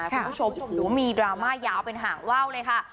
คุณผู้ชมโอ้โหมีดราม่ายาวเป็นห่างว่าวเลยค่ะ